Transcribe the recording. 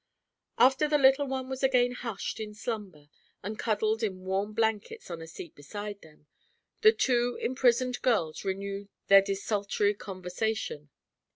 After the little one was again hushed in slumber and cuddled in warm blankets on a seat beside them, the two imprisoned girls renewed their desultory conversation.